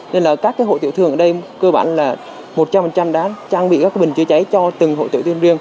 nên là các hộ tiểu thương ở đây cơ bản là một trăm linh đã trang bị các bình chữa cháy cho từng hội tiểu thương